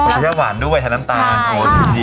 ชัยหวานด้วยใช้น้ำตาล